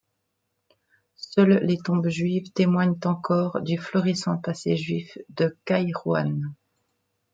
Seules les tombes juives témoignent encore du florissant passé juif de Kairouan.